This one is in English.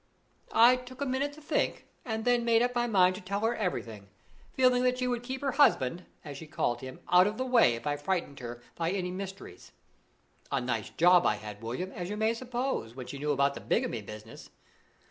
I took a minute to think, and then made up my mind to tell her everything, feeling that she would keep her husband (as she called him) out of the way if I frightened her by any mysteries. A nice job I had, William, as you may suppose, when she knew about the bigamy business.